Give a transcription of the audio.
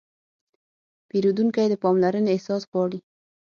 پیرودونکی د پاملرنې احساس غواړي.